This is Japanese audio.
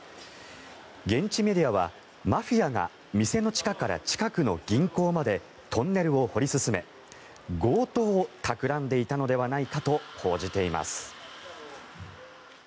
現地メディアは、マフィアが店の地下から近くの銀行までトンネルを掘り進め強盗をたくらんでいたのではないかと報じています。